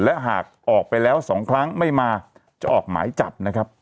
และหากออกไปแล้ว๒ครั้งไม่มาจะออกหมายจับนะครับ